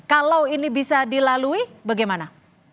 kalau ini bisa dilalui bagaimana